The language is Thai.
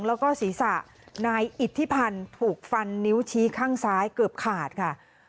แล้วก็ศีรษะนายอิทธิพันธ์ถูกฟันนิ้วชี้ข้างซ้ายเกือบขาดค่ะ